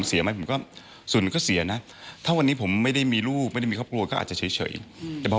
เอาไปฟังดูนะครับ